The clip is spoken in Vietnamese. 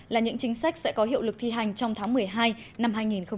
là những chính sách sẽ có hiệu lực thi hành trong tháng một mươi hai năm hai nghìn hai mươi